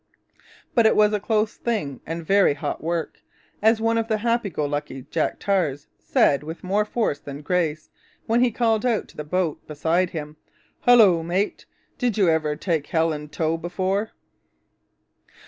But it was a close thing and very hot work, as one of the happy go lucky Jack tars said with more force than grace, when he called out to the boat beside him: 'Hullo, mate! Did you ever take hell in tow before?'